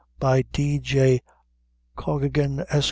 By D. J. Cohkigan, Esq.